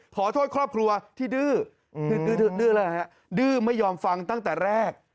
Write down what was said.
ขอโทษครอบครัวที่ดื้อดื้อไม่ยอมฟังตั้งแต่แรก